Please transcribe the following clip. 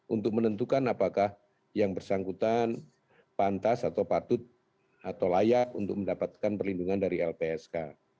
untuk menentukan apakah yang bersangkutan pantas atau patut atau layak untuk mendapatkan perlindungan dari lpsk